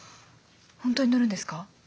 本当に乗るんですか？